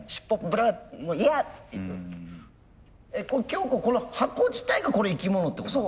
きょうここの箱自体がこれ生き物ってこと？